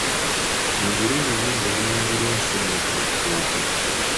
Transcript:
Nnyimbira oluyimba oluyimbirwa enswa ennaka okubuuka .